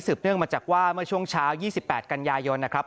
เนื่องมาจากว่าเมื่อช่วงเช้า๒๘กันยายนนะครับ